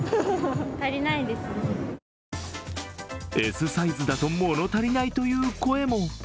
Ｓサイズだと物足りないという声も。